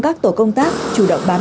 các tổ công tác chủ động bán